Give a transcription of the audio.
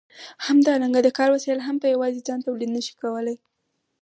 همدارنګه د کار وسایل هم په یوازې ځان تولید نشي کولای.